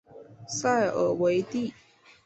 塞尔维利。